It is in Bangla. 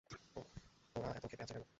ওরা এত ক্ষেপে আছে কেন?